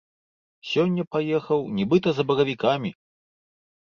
Сёння паехаў нібыта за баравікамі!